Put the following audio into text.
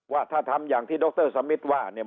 ว่าถ้าทำอย่างที่ดรสมิทว่าเนี่ย